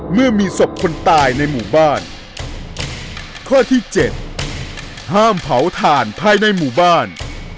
เมื่อมีศพคนตายในหมู่บ้านข้อที่เจ็ดห้ามเผาถ่านภายในหมู่บ้าน